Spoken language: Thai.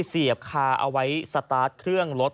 เสียบคาเอาไว้สตาร์ทเครื่องรถ